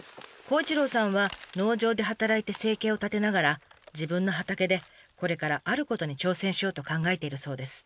孝一郎さんは農場で働いて生計を立てながら自分の畑でこれからあることに挑戦しようと考えているそうです。